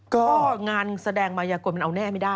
ก็งานแสดงมายากลมันเอาแน่ไม่ได้